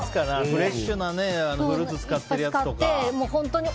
フレッシュなフルーツを使ったりとかね。